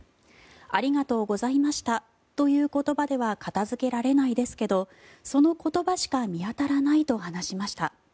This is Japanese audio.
ありがとうございましたという言葉では片付けられないですけどその言葉しか見当たらないと話しました。